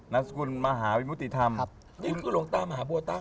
นามสกุลมหาวิมุติธรรมครับนี่คือหลวงตามหาบัวตั้ง